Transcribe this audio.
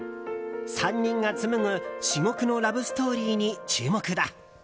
３人がつむぐ至極のラブストーリーに注目だ。